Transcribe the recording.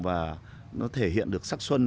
và nó thể hiện được sắc xuân